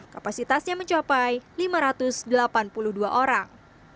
kapasitasnya mencapai lima ratus delapan puluh dua orang